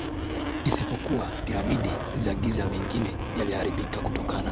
isipokuwa Piramidi za Giza Mengine yaliharibika kutokana